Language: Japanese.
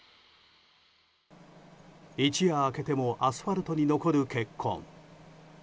一夜明けてもアスファルトに残る血痕。